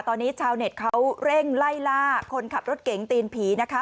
ตอนนี้ชาวเน็ตเขาเร่งไล่ล่าคนขับรถเก๋งตีนผีนะคะ